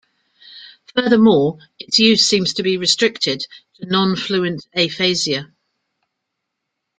Furthermore, its use seems to be restricted to non-fluent aphasia.